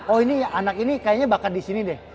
oh ini anak ini kayaknya bakat di sini deh